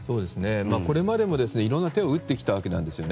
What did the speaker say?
これまでも、いろんな手を打ってきたわけなんですよね。